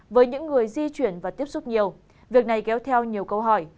với những người di chuyển và tiếp xúc nhiều việc này kéo theo nhiều câu hỏi